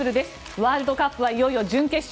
ワールドカップはいよいよ準決勝。